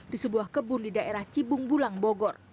di sebuah kebun di daerah cibung bulang bogor